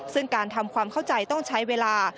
ซึ่งการทำความเข้าใจต้องใช้เวลา